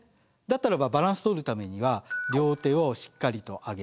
だったらばバランスとるためには両手をしっかりと上げて。